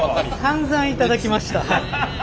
さんざん頂きました。